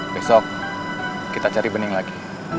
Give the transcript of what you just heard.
besok kita cari bening lagi